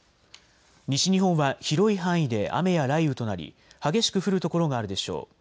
西日本は広い範囲で雨や雷雨となり激しく降る所があるでしょう。